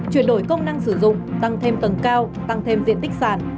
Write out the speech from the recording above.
chuyển đổi công năng sử dụng tăng thêm tầng cao tăng thêm diện tích sản